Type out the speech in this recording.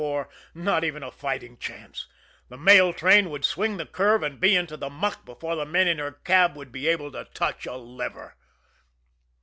34, not even a fighting chance the mail train would swing the curve and be into the muck before the men in her cab would be able to touch a lever.